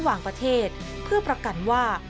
ระหว่างประเทศเพื่อประกันว่า